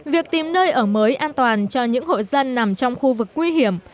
việc tìm nơi ở mới an toàn cho những hộ dân nằm trong khu vực nguy hiểm